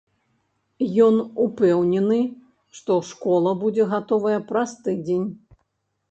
Ён упэўнены, што школа будзе гатовая праз тыдзень.